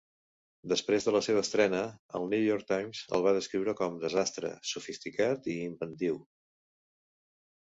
Després de la seva estrena, el New York Times el va descriure com destre, sofisticat i inventiu.